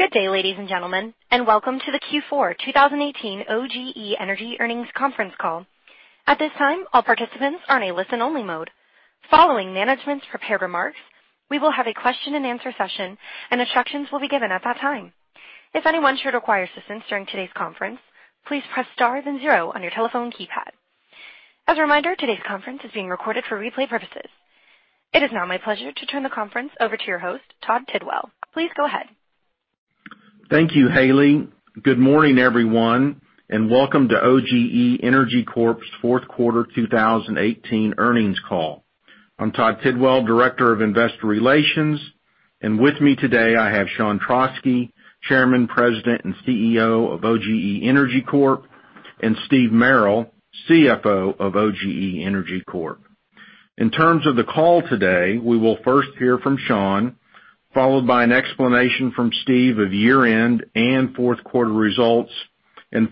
Good day, ladies and gentlemen, and welcome to the Q4 2018 OGE Energy Earnings Conference Call. At this time, all participants are in a listen-only mode. Following management's prepared remarks, we will have a question and answer session and instructions will be given at that time. If anyone should require assistance during today's conference, please press star then zero on your telephone keypad. As a reminder, today's conference is being recorded for replay purposes. It is now my pleasure to turn the conference over to your host, Todd Tidwell. Please go ahead. Thank you, [Haley]. Good morning, everyone, and welcome to OGE Energy Corp's fourth quarter 2018 earnings call. I'm Todd Tidwell, Director of Investor Relations, and with me today I have Sean Trauschke, Chairman, President, and CEO of OGE Energy Corp, and Steve Merrill, CFO of OGE Energy Corp. In terms of the call today, we will first hear from Sean, followed by an explanation from Steve of year-end and fourth quarter results.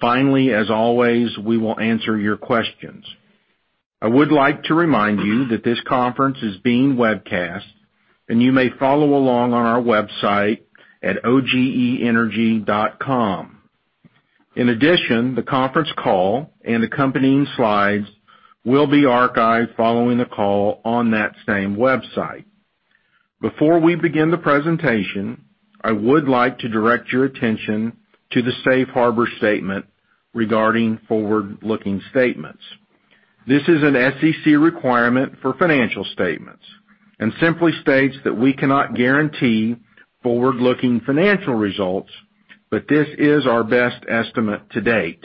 Finally, as always, we will answer your questions. I would like to remind you that this conference is being webcast, and you may follow along on our website at ogeenergy.com. In addition, the conference call and accompanying slides will be archived following the call on that same website. Before we begin the presentation, I would like to direct your attention to the safe harbor statement regarding forward-looking statements. This is an SEC requirement for financial statements and simply states that we cannot guarantee forward-looking financial results, this is our best estimate to date.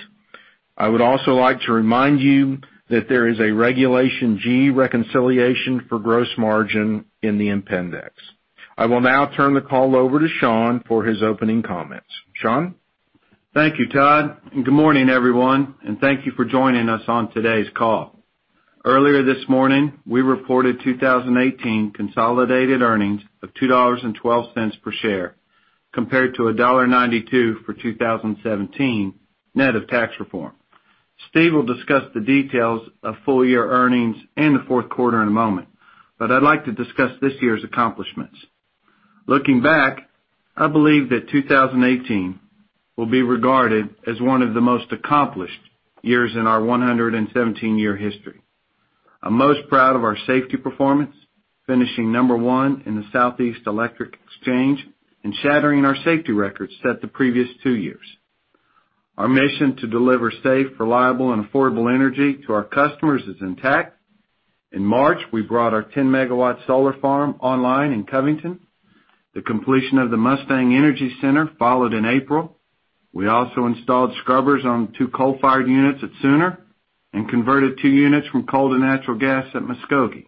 I would also like to remind you that there is a Regulation G reconciliation for gross margin in the appendix. I will now turn the call over to Sean for his opening comments. Sean? Thank you, Todd, and good morning, everyone, and thank you for joining us on today's call. Earlier this morning, we reported 2018 consolidated earnings of $2.12 per share, compared to $1.92 for 2017 net of tax reform. Steve will discuss the details of full-year earnings and the fourth quarter in a moment, I'd like to discuss this year's accomplishments. Looking back, I believe that 2018 will be regarded as one of the most accomplished years in our 117-year history. I'm most proud of our safety performance, finishing number 1 in the Southeastern Electric Exchange and shattering our safety records set the previous two years. Our mission to deliver safe, reliable and affordable energy to our customers is intact. In March, we brought our 10-megawatt solar farm online in Covington. The completion of the Mustang Energy Center followed in April. We also installed scrubbers on two coal-fired units at Sooner and converted two units from coal to natural gas at Muskogee.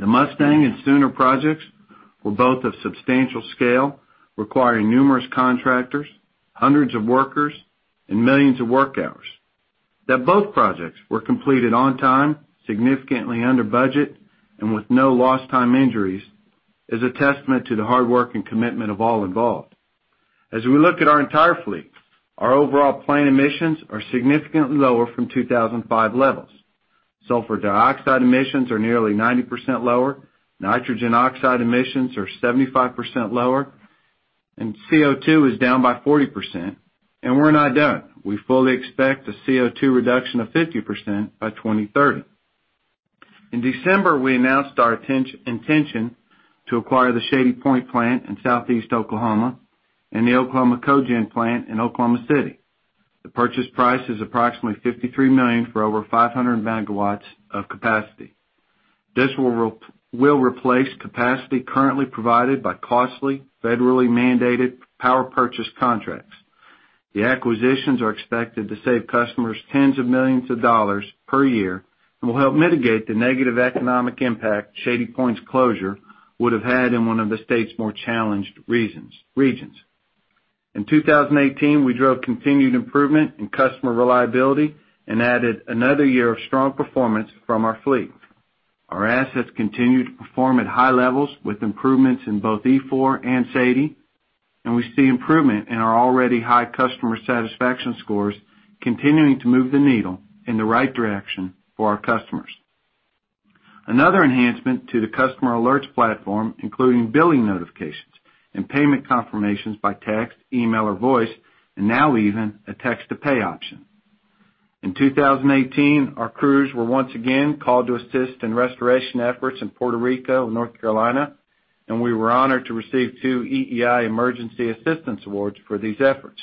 The Mustang and Sooner projects were both of substantial scale, requiring numerous contractors, hundreds of workers, and millions of work hours. That both projects were completed on time, significantly under budget, and with no lost time injuries, is a testament to the hard work and commitment of all involved. As we look at our entire fleet, our overall plant emissions are significantly lower from 2005 levels. Sulfur dioxide emissions are nearly 90% lower, nitrogen oxide emissions are 75% lower, and CO2 is down by 40%. We're not done. We fully expect a CO2 reduction of 50% by 2030. In December, we announced our intention to acquire the Shady Point plant in southeast Oklahoma and the Oklahoma CoGen plant in Oklahoma City. The purchase price is approximately $53 million for over 500 megawatts of capacity. This will replace capacity currently provided by costly, federally mandated power purchase contracts. The acquisitions are expected to save customers tens of millions of dollars per year and will help mitigate the negative economic impact Shady Point's closure would have had in one of the state's more challenged regions. In 2018, we drove continued improvement in customer reliability and added another year of strong performance from our fleet. Our assets continued to perform at high levels with improvements in both EFORd and SAIDI. We see improvement in our already high customer satisfaction scores continuing to move the needle in the right direction for our customers. Another enhancement to the customer alerts platform including billing notifications and payment confirmations by text, email, or voice, and now even a text-to-pay option. In 2018, our crews were once again called to assist in restoration efforts in Puerto Rico and North Carolina. We were honored to receive two EEI Emergency Assistance Awards for these efforts.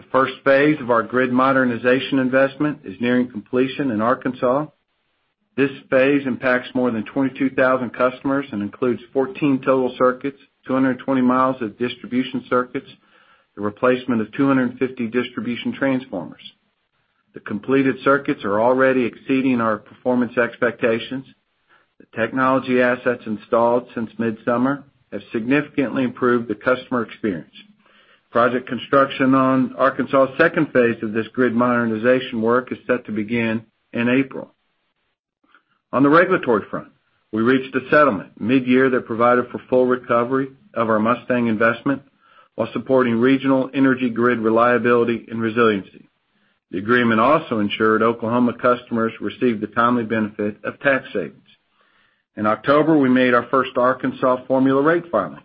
The first phase of our grid modernization investment is nearing completion in Arkansas. This phase impacts more than 22,000 customers and includes 14 total circuits, 220 miles of distribution circuits, the replacement of 250 distribution transformers. The completed circuits are already exceeding our performance expectations. The technology assets installed since midsummer have significantly improved the customer experience. Project construction on Arkansas' second phase of this grid modernization work is set to begin in April. On the regulatory front, we reached a settlement midyear that provided for full recovery of our Mustang investment while supporting regional energy grid reliability and resiliency. The agreement also ensured Oklahoma customers received the timely benefit of tax savings. In October, we made our first Arkansas formula rate filing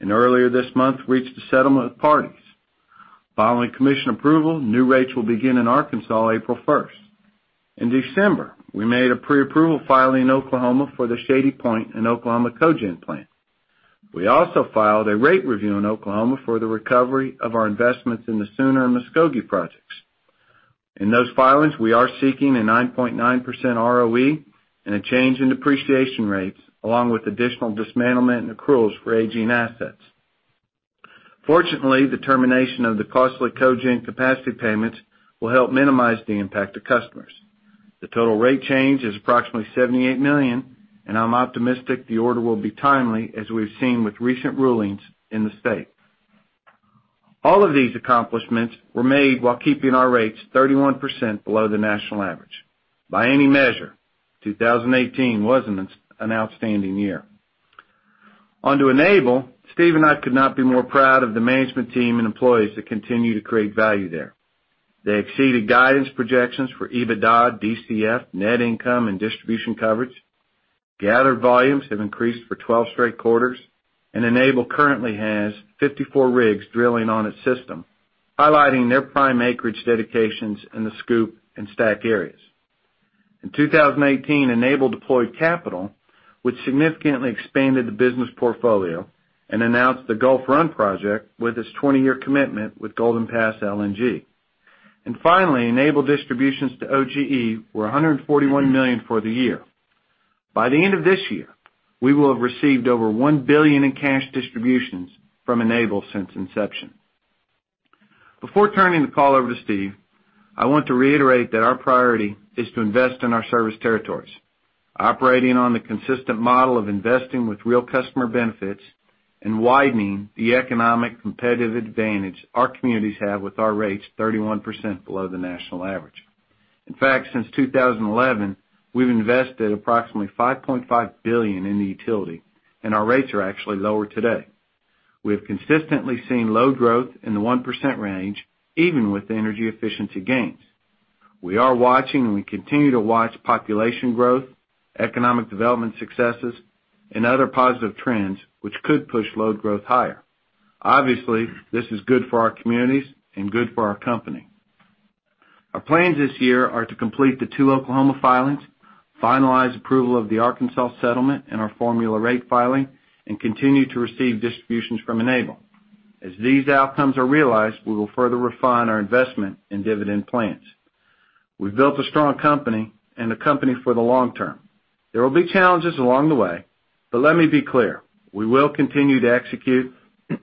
and earlier this month, reached a settlement with parties. Following commission approval, new rates will begin in Arkansas April 1st. In December, we made a pre-approval filing in Oklahoma for the Shady Point and Oklahoma CoGen plant. We also filed a rate review in Oklahoma for the recovery of our investments in the Sooner and Muskogee projects. In those filings, we are seeking a 9.9% ROE and a change in depreciation rates along with additional dismantlement and accruals for aging assets. Fortunately, the termination of the costly cogen capacity payments will help minimize the impact to customers. The total rate change is approximately $78 million. I'm optimistic the order will be timely as we've seen with recent rulings in the state. All of these accomplishments were made while keeping our rates 31% below the national average. By any measure, 2018 was an outstanding year. On to Enable, Steve and I could not be more proud of the management team and employees that continue to create value there. They exceeded guidance projections for EBITDA, DCF, net income, and distribution coverage. Gathered volumes have increased for 12 straight quarters, and Enable currently has 54 rigs drilling on its system, highlighting their prime acreage dedications in the SCOOP and STACK areas. In 2018, Enable deployed capital, which significantly expanded the business portfolio and announced the Gulf Run project with its 20-year commitment with Golden Pass LNG. Finally, Enable distributions to OGE were $141 million for the year. By the end of this year, we will have received over $1 billion in cash distributions from Enable since inception. Before turning the call over to Steve, I want to reiterate that our priority is to invest in our service territories. Operating on the consistent model of investing with real customer benefits and widening the economic competitive advantage our communities have with our rates 31% below the national average. In fact, since 2011, we've invested approximately $5.5 billion in the utility, and our rates are actually lower today. We have consistently seen load growth in the 1% range, even with the energy efficiency gains. We are watching, and we continue to watch population growth, economic development successes, and other positive trends which could push load growth higher. Obviously, this is good for our communities and good for our company. Our plans this year are to complete the two Oklahoma filings, finalize approval of the Arkansas settlement and our formula rate filing, continue to receive distributions from Enable. As these outcomes are realized, we will further refine our investment and dividend plans. We've built a strong company and a company for the long term. There will be challenges along the way, but let me be clear. We will continue to execute,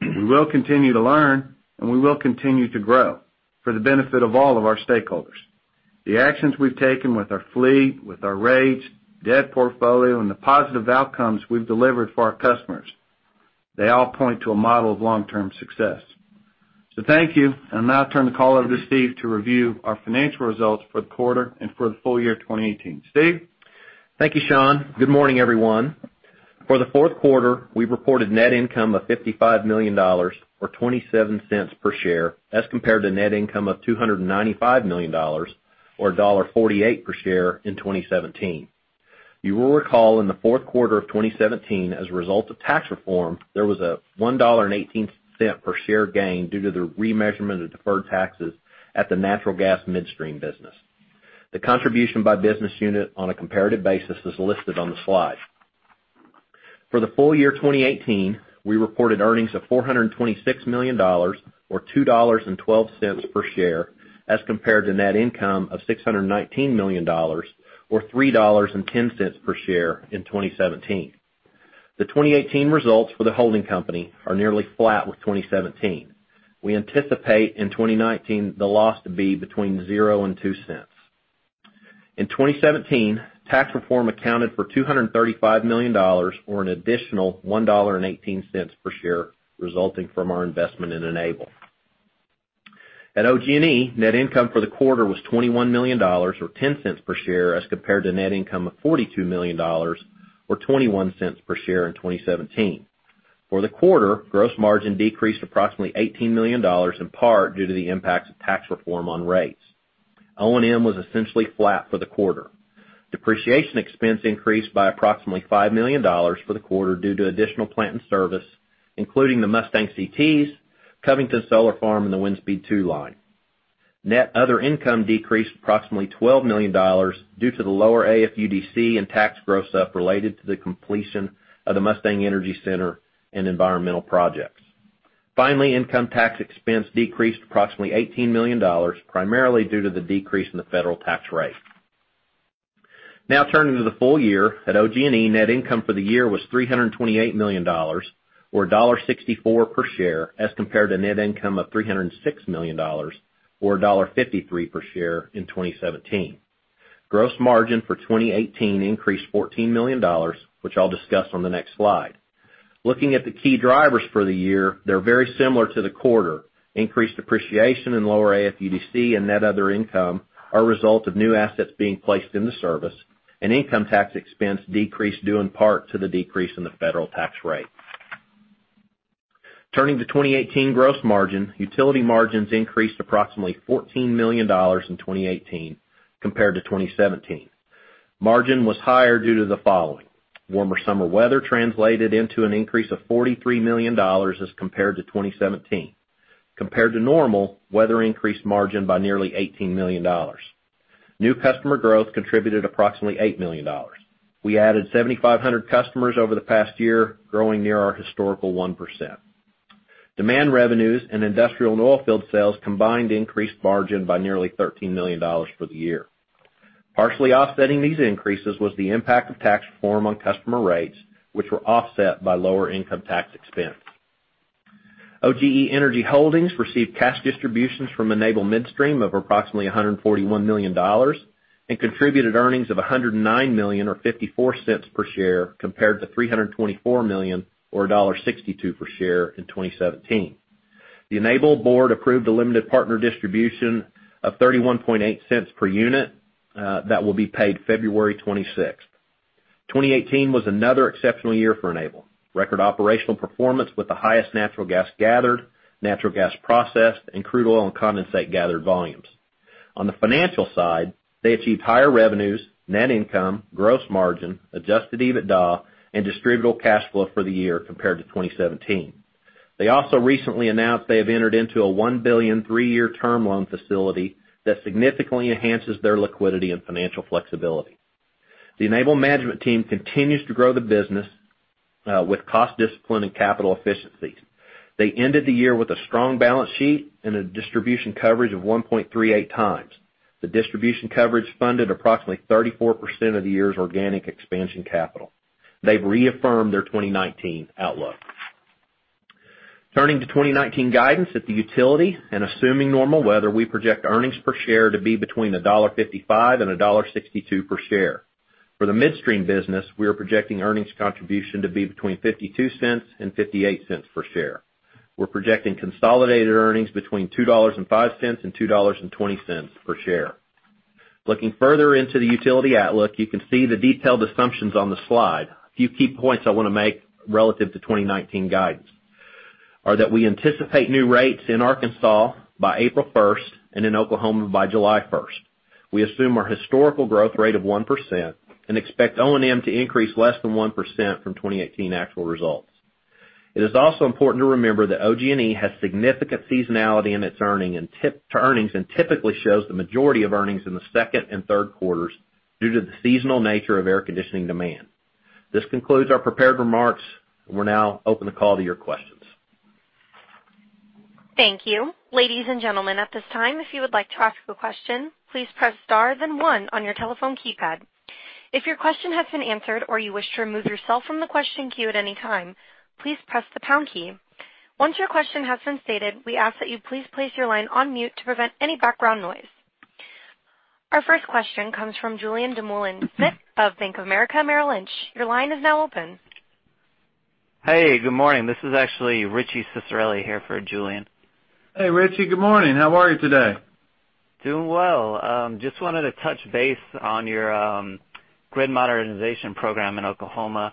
we will continue to learn, and we will continue to grow for the benefit of all of our stakeholders. The actions we've taken with our fleet, with our rates, debt portfolio, and the positive outcomes we've delivered for our customers, they all point to a model of long-term success. Thank you, and I'll now turn the call over to Steve to review our financial results for the quarter and for the full year 2018. Steve? Thank you, Sean. Good morning, everyone. For the fourth quarter, we've reported net income of $55 million, or $0.27 per share, as compared to net income of $295 million or $1.48 per share in 2017. You will recall in the fourth quarter of 2017, as a result of tax reform, there was a $1.18 per share gain due to the remeasurement of deferred taxes at the natural gas midstream business. The contribution by business unit on a comparative basis is listed on the slide. For the full year 2018, we reported earnings of $426 million, or $2.12 per share, as compared to net income of $619 million or $3.10 per share in 2017. The 2018 results for the holding company are nearly flat with 2017. We anticipate in 2019 the loss to be between $0.00 and $0.02. In 2017, tax reform accounted for $235 million or an additional $1.18 per share resulting from our investment in Enable. At OGE, net income for the quarter was $21 million, or $0.10 per share, as compared to net income of $42 million or $0.21 per share in 2017. For the quarter, gross margin decreased approximately $18 million, in part due to the impacts of tax reform on rates. O&M was essentially flat for the quarter. Depreciation expense increased by approximately $5 million for the quarter due to additional plant and service, including the Mustang CTs, Covington Solar Farm, and the Windspeed II line. Net other income decreased approximately $12 million due to the lower AFUDC and tax gross up related to the completion of the Mustang Energy Center and environmental projects. Finally, income tax expense decreased approximately $18 million, primarily due to the decrease in the federal tax rate. Now turning to the full year at OGE, net income for the year was $328 million or $1.64 per share as compared to net income of $306 million or $1.53 per share in 2017. Gross margin for 2018 increased $14 million, which I'll discuss on the next slide. Looking at the key drivers for the year, they're very similar to the quarter. Increased depreciation and lower AFUDC and net other income are a result of new assets being placed in the service, and income tax expense decreased due in part to the decrease in the federal tax rate. Turning to 2018 gross margin, utility margins increased approximately $14 million in 2018 compared to 2017. Margin was higher due to the following: warmer summer weather translated into an increase of $43 million as compared to 2017. Compared to normal, weather increased margin by nearly $18 million. New customer growth contributed approximately $8 million. We added 7,500 customers over the past year, growing near our historical 1%. Demand revenues and industrial and oilfield sales combined increased margin by nearly $13 million for the year. Partially offsetting these increases was the impact of tax reform on customer rates, which were offset by lower income tax expense. OGE Energy Holdings received cash distributions from Enable Midstream of approximately $141 million and contributed earnings of $109 million, or $0.54 per share, compared to $324 million, or $1.62 per share in 2017. The Enable board approved a limited partner distribution of $0.318 per unit that will be paid February 26th. 2018 was another exceptional year for Enable. Record operational performance with the highest natural gas gathered, natural gas processed, and crude oil and condensate gathered volumes. On the financial side, they achieved higher revenues, net income, gross margin, adjusted EBITDA, and distributable cash flow for the year compared to 2017. They also recently announced they have entered into a $1 billion, three-year term loan facility that significantly enhances their liquidity and financial flexibility. The Enable management team continues to grow the business with cost discipline and capital efficiencies. They ended the year with a strong balance sheet and a distribution coverage of 1.38 times. The distribution coverage funded approximately 34% of the year's organic expansion capital. They've reaffirmed their 2019 outlook. Turning to 2019 guidance at the utility and assuming normal weather, we project earnings per share to be between $1.55 and $1.62 per share. For the midstream business, we are projecting earnings contribution to be between $0.52 and $0.58 per share. We are projecting consolidated earnings between $2.05 and $2.20 per share. Looking further into the utility outlook, you can see the detailed assumptions on the slide. A few key points I want to make relative to 2019 guidance are that we anticipate new rates in Arkansas by April 1st and in Oklahoma by July 1st. We assume our historical growth rate of 1% and expect O&M to increase less than 1% from 2018 actual results. It is also important to remember that OG&E has significant seasonality in its earnings and typically shows the majority of earnings in the second and third quarters due to the seasonal nature of air conditioning demand. This concludes our prepared remarks. We are now open to call to your questions. Thank you. Ladies and gentlemen, at this time, if you would like to ask a question, please press star then one on your telephone keypad. If your question has been answered or you wish to remove yourself from the question queue at any time, please press the pound key. Once your question has been stated, we ask that you please place your line on mute to prevent any background noise. Our first question comes from Julien Dumoulin-Smith of Bank of America Merrill Lynch. Your line is now open. Hey, good morning. This is actually Richard Ciciarelli here for Julien. Hey, Richie. Good morning. How are you today? Doing well. Just wanted to touch base on your grid modernization program in Oklahoma.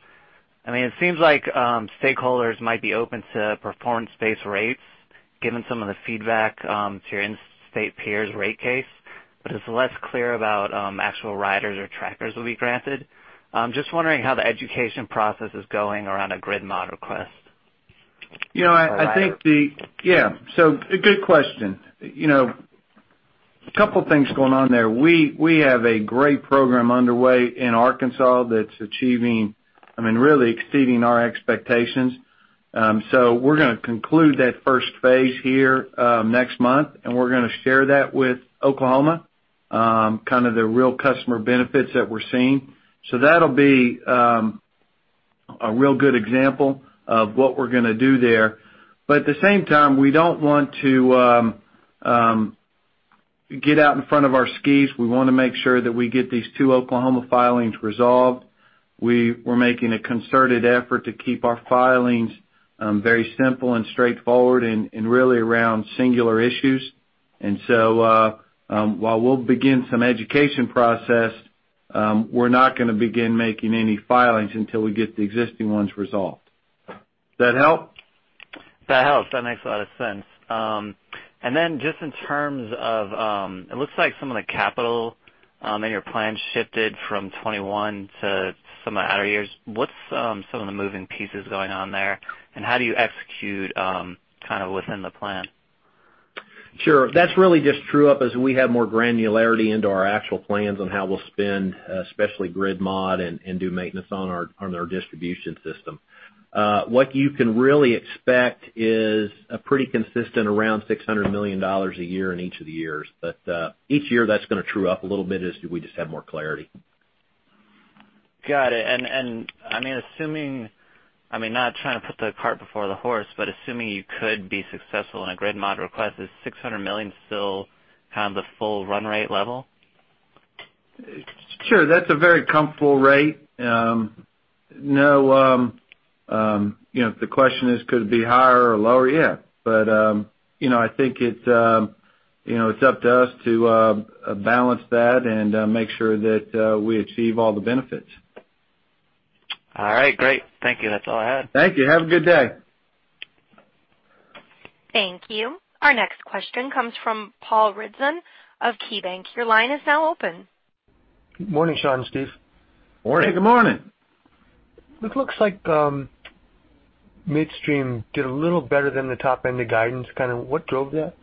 It seems like stakeholders might be open to performance-based rates, given some of the feedback to your in-state peers' rate case. It's less clear about actual riders or trackers will be granted. I'm just wondering how the education process is going around a grid mod request. Yeah. A good question. Couple things going on there. We have a great program underway in Arkansas that's achieving, really exceeding our expectations. We're going to conclude that first phase here next month, and we're going to share that with Oklahoma, kind of the real customer benefits that we're seeing. That'll be a real good example of what we're going to do there. At the same time, we don't want to get out in front of our skis. We want to make sure that we get these two Oklahoma filings resolved. We're making a concerted effort to keep our filings very simple and straightforward and really around singular issues. While we'll begin some education process, we're not going to begin making any filings until we get the existing ones resolved. Does that help? That helps. That makes a lot of sense. Just in terms of, it looks like some of the capital in your plan shifted from 2021 to some of the outer years. What's some of the moving pieces going on there, and how do you execute kind of within the plan? Sure. That's really just true up as we have more granularity into our actual plans on how we'll spend, especially grid mod and do maintenance on our distribution system. What you can really expect is a pretty consistent around $600 million a year in each of the years. Each year, that's going to true up a little bit as we just have more clarity. Got it. Assuming, not trying to put the cart before the horse, but assuming you could be successful in a grid mod request, is $600 million still kind of the full run rate level? Sure. That's a very comfortable rate. If the question is could it be higher or lower? Yeah. I think it's up to us to balance that and make sure that we achieve all the benefits. All right, great. Thank you. That's all I had. Thank you. Have a good day. Thank you. Our next question comes from Paul Ridzon of KeyBank. Your line is now open. Morning, Sean and Steve. Morning. Good morning. It looks like midstream did a little better than the top end of guidance. What drove that?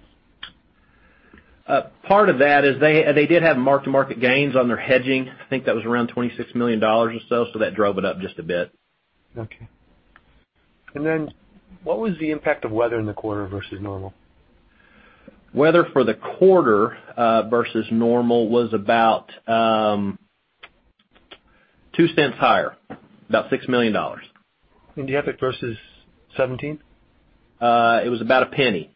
Part of that is they did have mark-to-market gains on their hedging. I think that was around $26 million or so that drove it up just a bit. Okay. What was the impact of weather in the quarter versus normal? Weather for the quarter versus normal was about $0.02 higher, about $6 million. Do you have it versus 2017? It was about $0.01.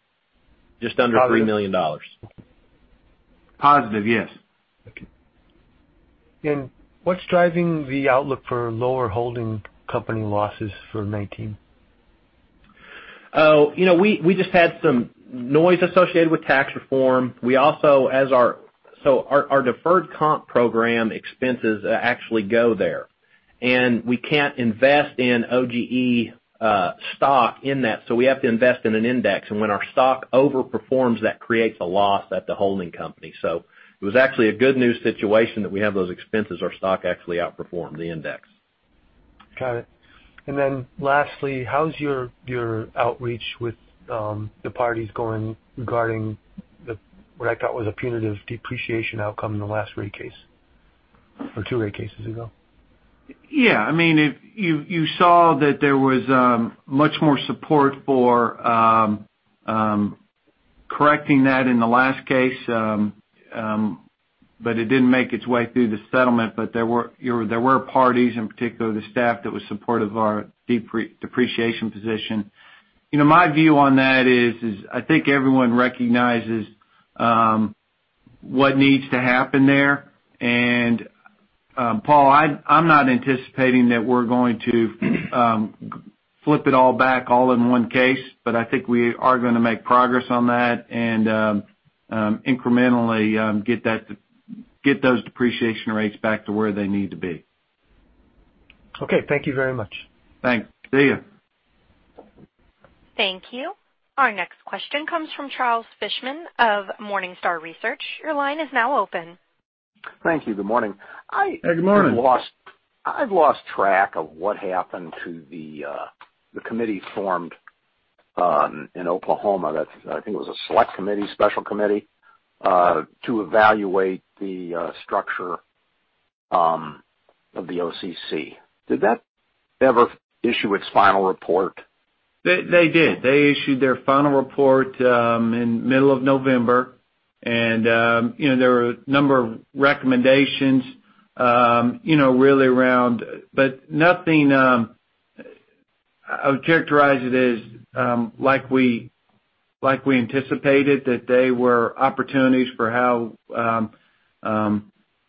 Just under $3 million. Positive, yes. Okay. What's driving the outlook for lower holding company losses for 2019? We just had some noise associated with tax reform. Our deferred comp program expenses actually go there. We can't invest in OGE stock in that, we have to invest in an index. When our stock overperforms, that creates a loss at the holding company. It was actually a good news situation that we have those expenses. Our stock actually outperformed the index. Got it. Then lastly, how's your outreach with the parties going regarding what I thought was a punitive depreciation outcome in the last rate case or two rate cases ago? Yeah. You saw that there was much more support for correcting that in the last Case. It didn't make its way through the settlement, there were parties, in particular, the staff that was supportive of our depreciation position. My view on that is I think everyone recognizes what needs to happen there. Paul, I'm not anticipating that we're going to flip it all back all in one Case, but I think we are going to make progress on that and incrementally get those depreciation rates back to where they need to be. Okay. Thank you very much. Thanks. See you. Thank you. Our next question comes from Charles Fishman of Morningstar Research. Your line is now open. Thank you. Good morning. Good morning. I've lost track of what happened to the committee formed in Oklahoma, I think it was a select committee, special committee, to evaluate the structure of the OCC. Did that ever issue its final report? They did. They issued their final report in middle of November. There were a number of recommendations really around I would characterize it as like we anticipated, that they were opportunities for how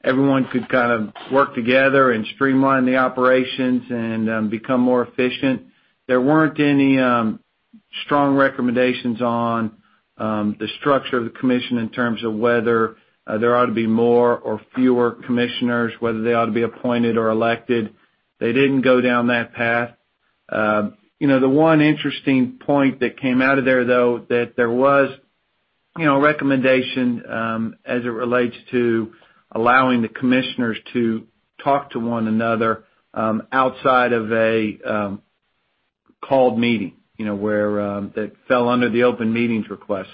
everyone could kind of work together and streamline the operations and become more efficient. There weren't any strong recommendations on the structure of the commission in terms of whether there ought to be more or fewer commissioners, whether they ought to be appointed or elected. They didn't go down that path. The one interesting point that came out of there, though, that there was a recommendation as it relates to allowing the commissioners to talk to one another outside of a called meeting that fell under the open meetings request.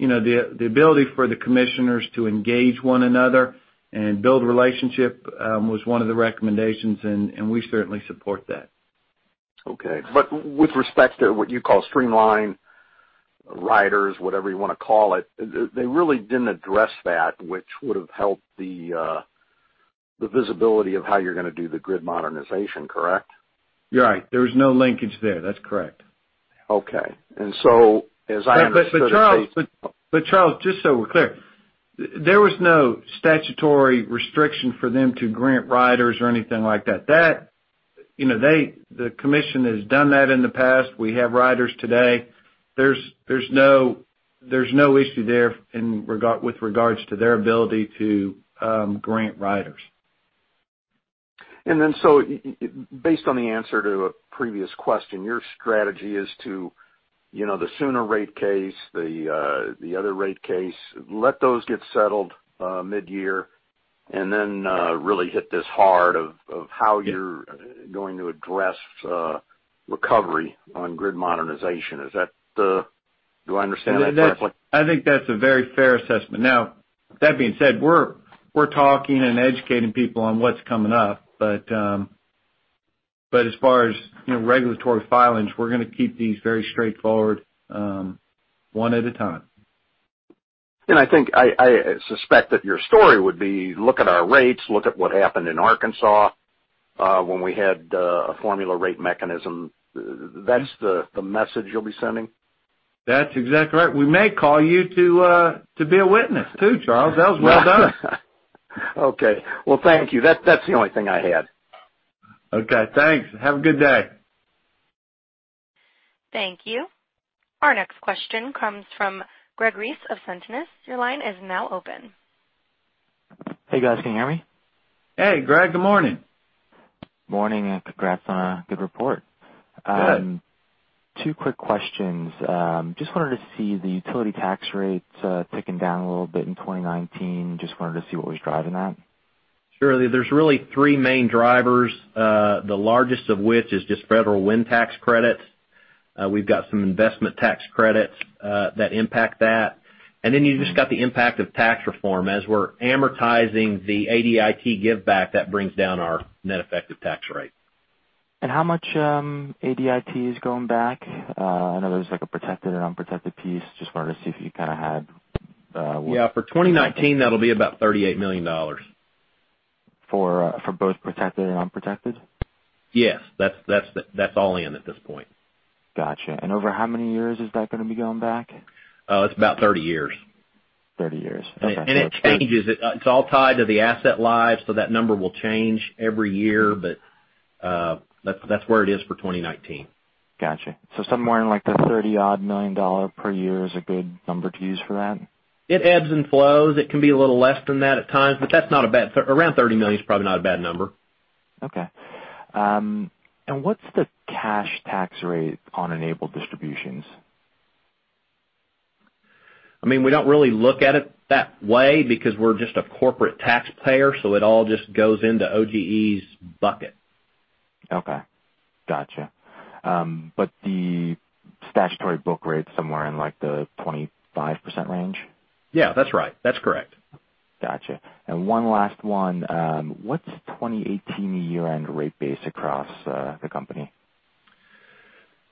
The ability for the commissioners to engage one another and build relationship was one of the recommendations, and we certainly support that. Okay. With respect to what you call streamline riders, whatever you want to call it, they really didn't address that, which would've helped the visibility of how you're going to do the grid modernization, correct? You're right. There was no linkage there, that's correct. Okay. As I understood it. Charles, just so we're clear, there was no statutory restriction for them to grant riders or anything like that. The Commission has done that in the past. We have riders today. There's no issue there with regards to their ability to grant riders. Based on the answer to a previous question, your strategy is to let those get settled mid-year, and then really hit this hard of how you're going to address recovery on grid modernization. Do I understand that correctly? I think that's a very fair assessment. That being said, we're talking and educating people on what's coming up. As far as regulatory filings, we're going to keep these very straightforward, one at a time. I suspect that your story would be, look at our rates, look at what happened in Arkansas when we had a formula rate mechanism. That's the message you'll be sending? That's exactly right. We may call you to be a witness too, Charles. That was well done. Okay. Well, thank you. That's the only thing I had. Okay, thanks. Have a good day. Thank you. Our next question comes from Greg Reese of Sentinus. Your line is now open. Hey, guys. Can you hear me? Hey, Greg. Good morning. Morning, congrats on a good report. Good. Two quick questions. Just wanted to see the utility tax rates ticking down a little bit in 2019. Just wanted to see what was driving that. Surely. There's really three main drivers. The largest of which is just federal wind tax credits. We've got some investment tax credits that impact that. Then you just got the impact of tax reform. As we're amortizing the ADIT give back, that brings down our net effective tax rate. How much ADIT is going back? I know there's a protected and unprotected piece. Just wanted to see if you had. Yeah, for 2019, that'll be about $38 million. For both protected and unprotected? Yes. That's all in at this point. Got you. Over how many years is that going to be going back? It's about 30 years. 30 years. Okay. It changes. It's all tied to the asset lives, so that number will change every year, but that's where it is for 2019. Got you. Somewhere in the $30-odd million per year is a good number to use for that? It ebbs and flows. It can be a little less than that at times, around $30 million is probably not a bad number. Okay. What's the cash tax rate on Enable distributions? We don't really look at it that way because we're just a corporate taxpayer, it all just goes into OGE's bucket. Okay. Got you. The statutory book rate's somewhere in the 25% range? Yeah. That's right. That's correct. Got you. One last one. What's 2018 year-end rate base across the company?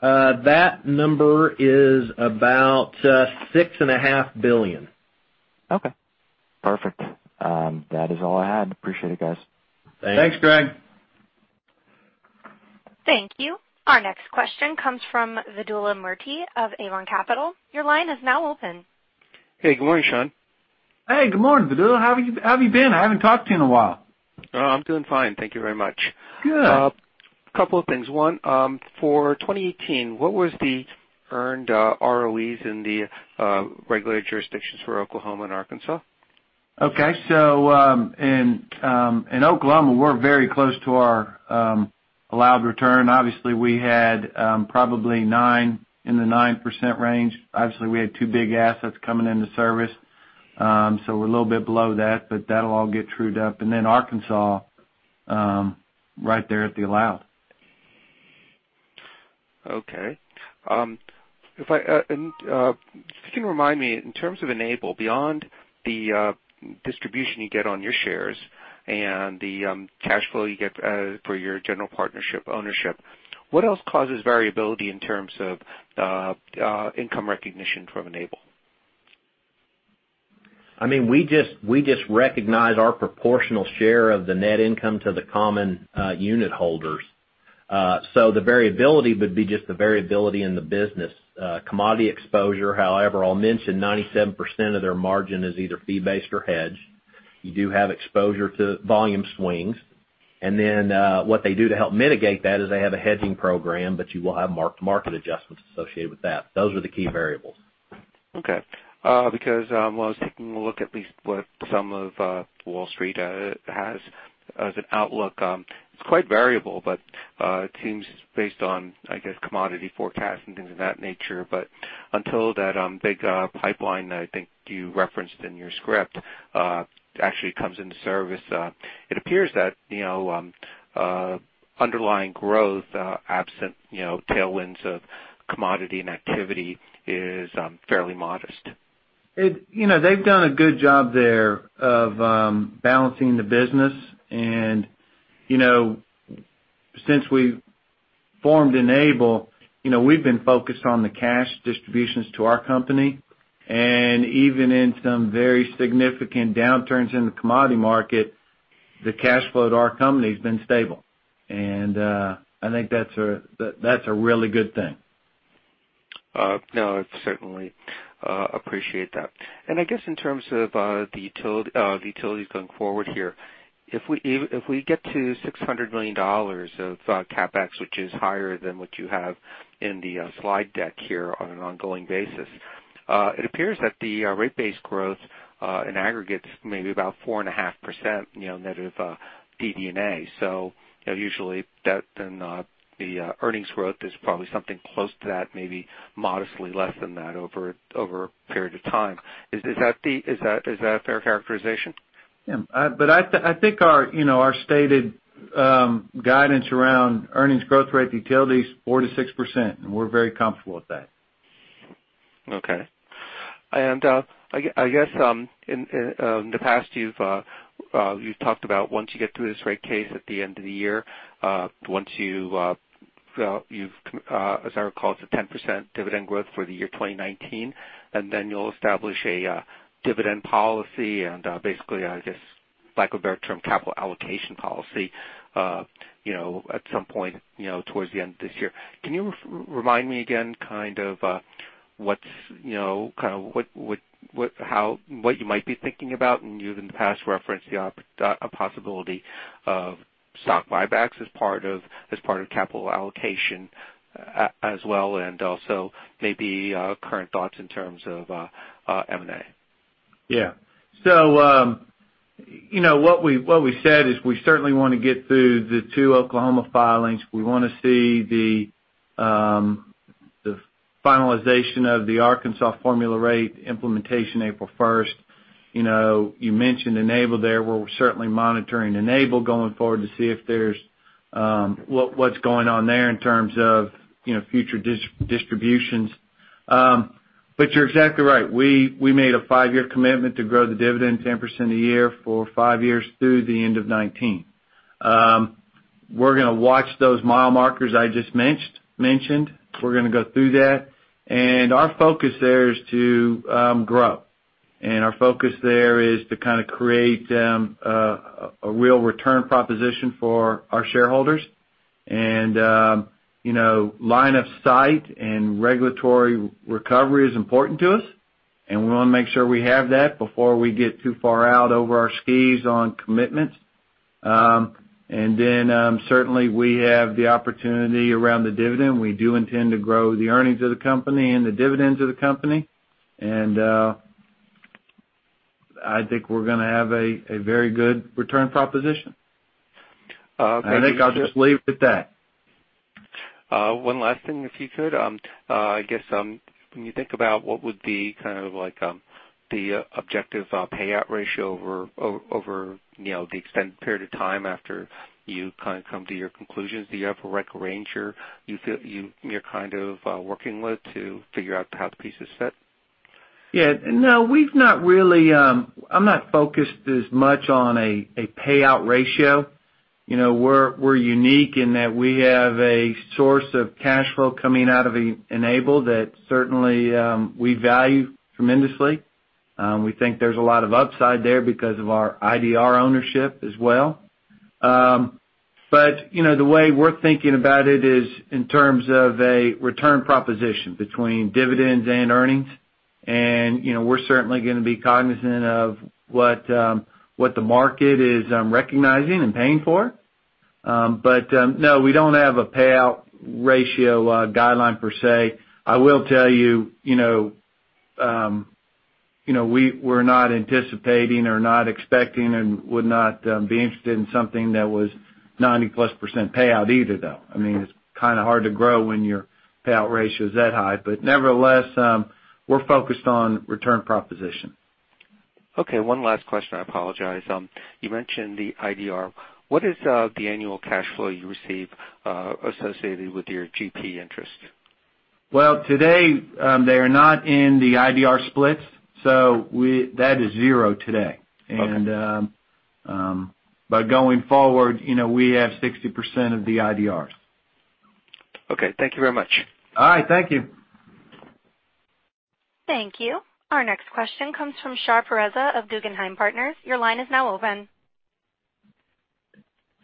That number is about six and a half billion. Okay. Perfect. That is all I had. Appreciate it, guys. Thanks, Greg. Thank you. Our next question comes from Vidula Murty of Avon Capital. Your line is now open. Hey, good morning, Sean. Hey, good morning, Vidula. How have you been? I haven't talked to you in a while. I'm doing fine. Thank you very much. Good. A couple of things. One, for 2018, what was the earned ROEs in the regulated jurisdictions for Oklahoma and Arkansas? Okay. In Oklahoma, we're very close to our allowed return. Obviously, we had probably in the 9% range. Obviously, we had two big assets coming into service. We're a little bit below that'll all get trued up. Arkansas, right there at the allowed. Okay. If you can remind me, in terms of Enable, beyond the distribution you get on your shares and the cash flow you get for your general partnership ownership, what else causes variability in terms of income recognition from Enable? We just recognize our proportional share of the net income to the common unit holders. The variability would be just the variability in the business. Commodity exposure, however, I'll mention 97% of their margin is either fee-based or hedged. You do have exposure to volume swings. What they do to help mitigate that is they have a hedging program, but you will have mark-to-market adjustments associated with that. Those are the key variables. Okay. When I was taking a look at least what some of Wall Street has as an outlook, it's quite variable, but it seems based on, I guess, commodity forecasts and things of that nature. Until that big pipeline, I think you referenced in your script, actually comes into service, it appears that underlying growth, absent tailwinds of commodity and activity, is fairly modest. They've done a good job there of balancing the business. Since we formed Enable, we've been focused on the cash distributions to our company, and even in some very significant downturns in the commodity market, the cash flow to our company has been stable. I think that's a really good thing. No, I certainly appreciate that. I guess in terms of the utilities going forward here, if we get to $600 million of CapEx, which is higher than what you have in the slide deck here on an ongoing basis, it appears that the rate base growth in aggregate is maybe about 4.5%, negative DD&A. Usually, the earnings growth is probably something close to that, maybe modestly less than that over a period of time. Is that a fair characterization? Yeah. I think our stated guidance around earnings growth rate to utilities, 4%-6%, and we're very comfortable with that. Okay. I guess in the past, you've talked about once you get through this rate case at the end of the year, once you've, as Eric calls it, 10% dividend growth for 2019, you'll establish a dividend policy and basically, I guess, lack of a better term, capital allocation policy at some point towards the end of this year. Can you remind me again what you might be thinking about? You've in the past referenced a possibility of stock buybacks as part of capital allocation as well, and also maybe current thoughts in terms of M&A. Yeah. What we said is we certainly want to get through the two Oklahoma filings. We want to see the finalization of the Arkansas formula rate implementation, April 1st. You mentioned Enable there. We're certainly monitoring Enable going forward to see what's going on there in terms of future distributions. You're exactly right. We made a five-year commitment to grow the dividend 10% a year for five years through the end of 2019. We're going to watch those mile markers I just mentioned. We're going to go through that. Our focus there is to grow. Our focus there is to create a real return proposition for our shareholders. Line of sight and regulatory recovery is important to us, and we want to make sure we have that before we get too far out over our skis on commitments. Certainly, we have the opportunity around the dividend. We do intend to grow the earnings of the company and the dividends of the company. I think we're going to have a very good return proposition. Okay. I think I'll just leave it at that. One last thing, if you could. I guess, when you think about what would be the objective payout ratio over the extended period of time after you come to your conclusions, do you have a range you're working with to figure out how the pieces fit? Yeah. No, I'm not focused as much on a payout ratio. We're unique in that we have a source of cash flow coming out of Enable that certainly we value tremendously. We think there's a lot of upside there because of our IDR ownership as well. The way we're thinking about it is in terms of a return proposition between dividends and earnings, and we're certainly going to be cognizant of what the market is recognizing and paying for. No, we don't have a payout ratio guideline per se. I will tell you, we're not anticipating or not expecting and would not be interested in something that was 90-plus % payout either, though. It's kind of hard to grow when your payout ratio is that high. Nevertheless, we're focused on return proposition. Okay, one last question. I apologize. You mentioned the IDR. What is the annual cash flow you receive associated with your GP interest? Well, today, they are not in the IDR splits. That is zero today. Okay. Going forward, we have 60% of the IDRs. Okay. Thank you very much. All right. Thank you. Thank you. Our next question comes from Shar Pourreza of Guggenheim Partners. Your line is now open.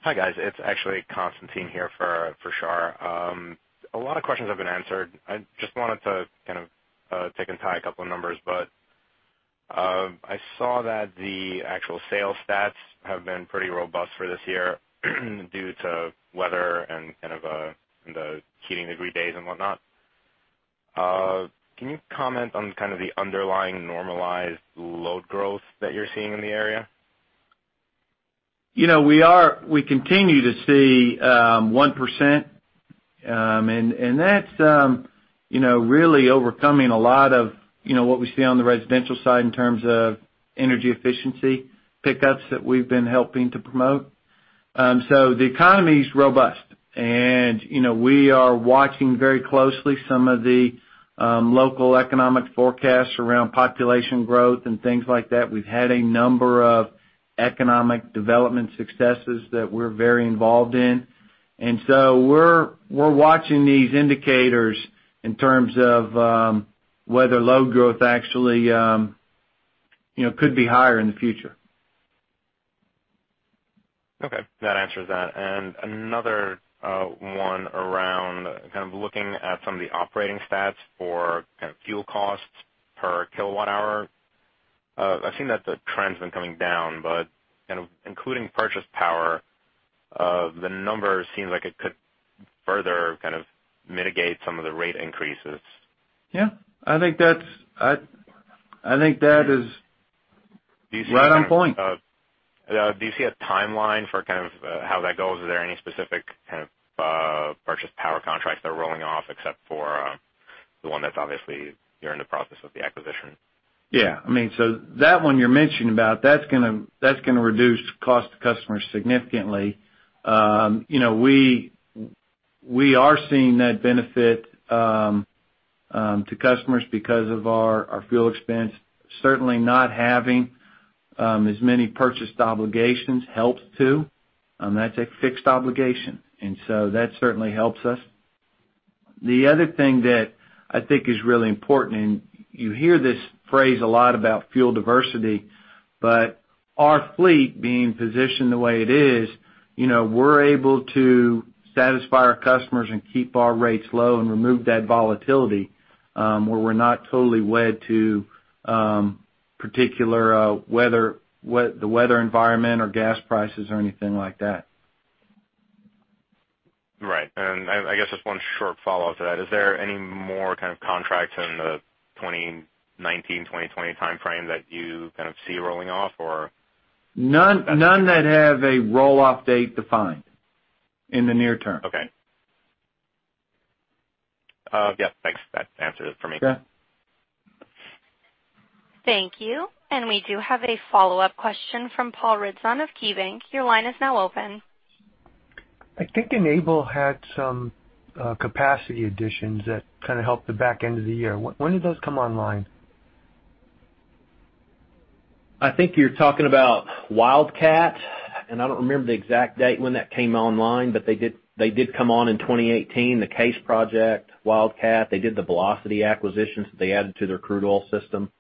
Hi, guys. It's actually Constantine here for Shar. A lot of questions have been answered. I just wanted to tick and tie a couple of numbers, but I saw that the actual sales stats have been pretty robust for this year due to weather and the heating degree days and whatnot. Can you comment on kind of the underlying normalized load growth that you're seeing in the area? We continue to see 1%, and that's really overcoming a lot of what we see on the residential side in terms of energy efficiency pickups that we've been helping to promote. The economy's robust, and we are watching very closely some of the local economic forecasts around population growth and things like that. We've had a number of economic development successes that we're very involved in. We're watching these indicators in terms of whether load growth actually could be higher in the future. Okay. That answers that. Another one around kind of looking at some of the operating stats for fuel costs per kilowatt hour. I've seen that the trend's been coming down, including purchase power, the number seems like it could further mitigate some of the rate increases. Yeah. I think that is right on point. Do you see a timeline for how that goes? Is there any specific purchase power contracts that are rolling off except for the one that's obviously you're in the process of the acquisition? Yeah. That one you're mentioning about, that's going to reduce cost to customers significantly. We are seeing that benefit to customers because of our fuel expense. Certainly not having as many purchased obligations helps, too. That's a fixed obligation. That certainly helps us. The other thing that I think is really important, you hear this phrase a lot about fuel diversity, our fleet being positioned the way it is, we're able to satisfy our customers and keep our rates low and remove that volatility where we're not totally wed to particular weather, the weather environment or gas prices or anything like that. Right. I guess just one short follow-up to that. Is there any more contracts in the 2019, 2020 timeframe that you see rolling off or? None that have a roll-off date defined in the near term. Okay. Yeah, thanks. That answers it for me. Sure. Thank you. We do have a follow-up question from Paul Ridzon of KeyBank. Your line is now open. I think Enable had some capacity additions that kind of helped the back end of the year. When did those come online? I think you're talking about Wildcat. I don't remember the exact date when that came online, but they did come on in 2018. The Case project, Wildcat. They did the Velocity acquisitions that they added to their crude oil system.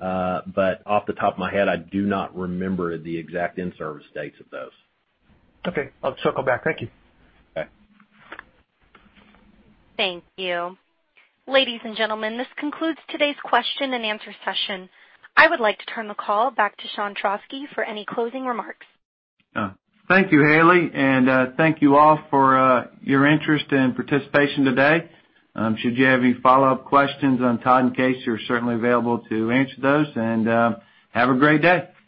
Off the top of my head, I do not remember the exact in-service dates of those. Okay. I'll circle back. Thank you. Okay. Thank you. Ladies and gentlemen, this concludes today's question and answer session. I would like to turn the call back to Sean Trauschke for any closing remarks. Thank you, [Haley], and thank you all for your interest and participation today. Should you have any follow-up questions on time in case, we are certainly available to answer those, and have a great day.